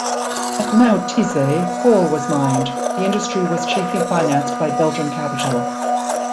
At Maotize coal was mined; the industry was chiefly financed by Belgian capital.